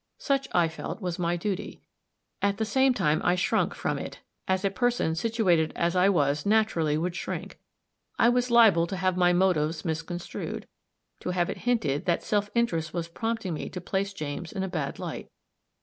Such, I felt, was my duty. At the same time, I shrunk from it, as a person situated as I was naturally would shrink; I was liable to have my motives misconstrued; to have it hinted that self interest was prompting me to place James in a bad light.